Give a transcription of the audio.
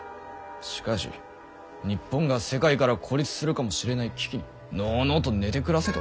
しかし日本が世界から孤立するかもしれない危機にのうのうと寝て暮らせと。